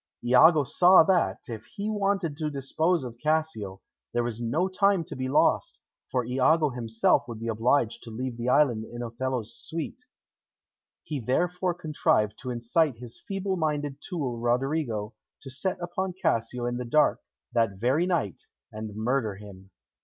Iago saw that, if he wanted to dispose of Cassio, there was no time to be lost, for Iago himself would be obliged to leave the island in Othello's suite. He therefore contrived to incite his feeble minded tool Roderigo to set upon Cassio in the dark that very night and murder him.